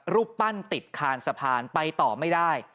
รูปปั้นติดคานสะพานไปต่อไม่ได้